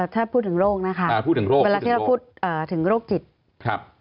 ถ้าพูดถึงโรคนะคะเวลาที่เราพูดถึงโรคจิตครับ